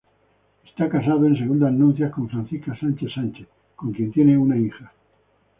Está casado en segundas nupcias con Francisca Sánchez Sánchez, con quien tiene una hija.